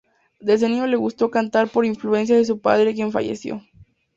Desde niño le gustó cantar por influencia de su padre, quien falleció.